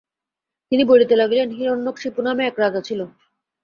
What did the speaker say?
তিনি বলিতে লাগিলেন, হিরণ্যকশিপু নামে এক আজা ছিল।